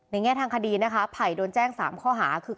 ในแง่ทางคดีภัยโดนแจ้ง๓ข้อหาคือ